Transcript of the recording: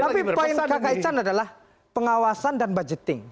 tapi poin kakak ican adalah pengawasan dan budgeting